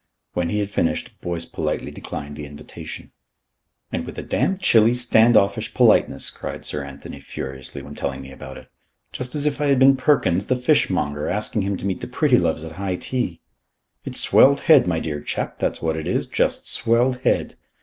When he had finished, Boyce politely declined the invitation. "And with a damned chilly, stand offish politeness," cried Sir Anthony furiously, when telling me about it. "Just as if I had been Perkins, the fish monger, asking him to meet the Prettiloves at high tea. It's swelled head, my dear chap; that's what it is. Just swelled head.